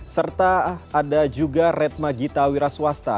serta ada juga red magita wiraswasta